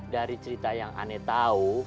dari cerita yang aneh tahu